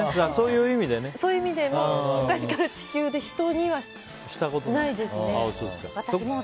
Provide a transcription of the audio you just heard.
そういう意味でも昔から地球で人にはしたことないですね。